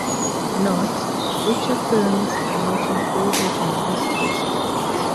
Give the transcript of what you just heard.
Note: Lucha films are not included in this list.